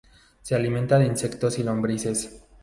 Se alimenta de insectos y lombrices.